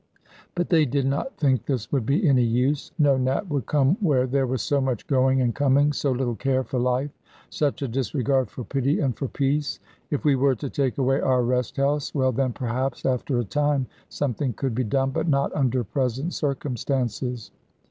But they did not think this would be any use. No Nat would come where there was so much going and coming, so little care for life, such a disregard for pity and for peace. If we were to take away our rest house, well then, perhaps, after a time, something could be done, but not under present circumstances.